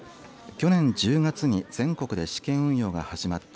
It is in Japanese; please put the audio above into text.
去年１０月に全国で試験運用が始まった。